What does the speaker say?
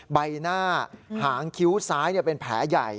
ใบหน้าหางคิ้วซ้ายเป็นแผลใหญ่